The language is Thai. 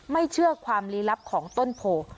ไม่เชื่อความลี้ลับของต้นโพ